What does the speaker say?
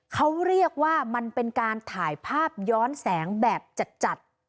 เขาเรียกว่ามันเป็นการถ่ายภาพย้อนแสงแบบจัด